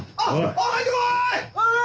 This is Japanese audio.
おい入ってこい！